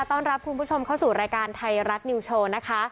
ต้อนรับคุณผู้ชมเข้าสู่รายการไทยรัฐนิวโชว์นะคะ